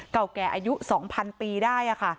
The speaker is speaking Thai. เก่าแก่อายุ๒๐๐๐ปีได้